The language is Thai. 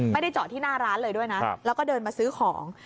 ไม่ได้เจาะที่หน้าร้านเลยด้วยนะแล้วก็เดินมาซื้อของ